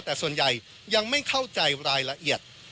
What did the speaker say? แต่ส่วนใหญ่ยังไม่เข้าใจรายละเอียด